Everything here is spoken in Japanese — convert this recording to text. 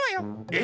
え